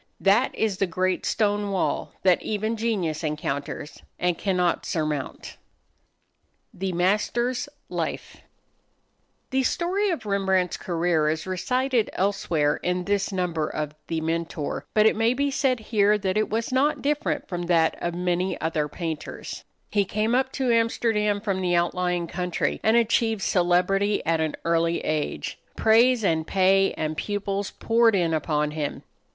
That is the great stone wall that even genius encounters and cannot surmount. The Master's Life [Illustration: PORTRAIT OF AN OLD LADY In the National Gallery, London] The story of Rembrandt's career is recited elsewhere in this number of The Mentor, but it may be said here that it was not different from that of many other painters. He came up to Amsterdam from the outlying country, and achieved celebrity at an early age. Praise and pay and pupils poured in upon him.